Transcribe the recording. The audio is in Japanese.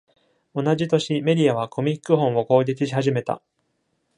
同じ年、メディアはコミック本を攻撃しはじめた。